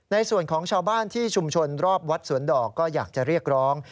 ในส่วนของชาวบ้านที่ชุมชนรอบวัดสวนดอกก็อยากจะเรียกร้อง